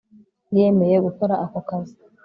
yemeye gukora ako kazi